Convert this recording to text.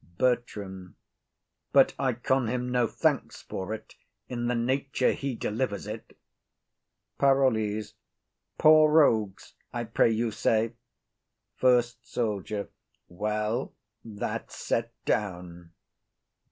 BERTRAM. But I con him no thanks for't in the nature he delivers it. PAROLLES. Poor rogues, I pray you say. FIRST SOLDIER. Well, that's set down.